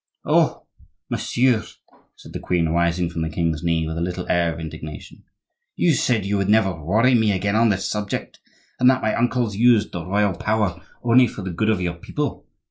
"Oh! monsieur," said the queen, rising from the king's knee with a little air of indignation, "you said you would never worry me again on this subject, and that my uncles used the royal power only for the good of your people.